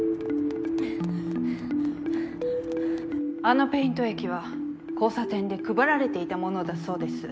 あのペイント液は交差点で配られていたものだそうです。